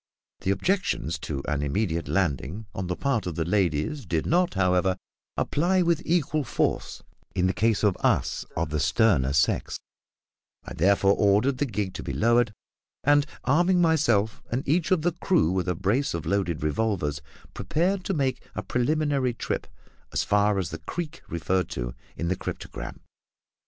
The objections to an immediate landing on the part of the ladies did not, however, apply with equal force in the case of us of the sterner sex; I therefore ordered the gig to be lowered, and, arming myself and each of the crew with a brace of loaded revolvers, prepared to make a preliminary trip as far as the creek referred to in the cryptogram.